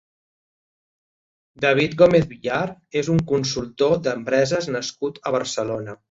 David Gómez Villar és un consultor d'empreses nascut a Barcelona.